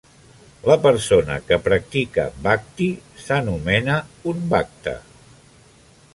La persona que practica "bhakti" s"anomena un "bhakta".